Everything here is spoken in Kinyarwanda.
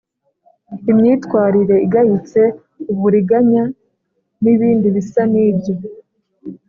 imyitwarire igayitse, uburiganya n’ibindi bisa n’ibyo;